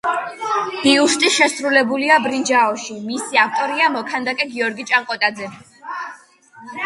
ბიუსტი შესრულებულია ბრინჯაოში, მისი ავტორია მოქანდაკე გიორგი ჭანკოტაძე.